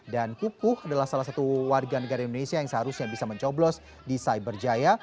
dan kukuh adalah salah satu warga negara indonesia yang seharusnya bisa mencoblos di cyberjaya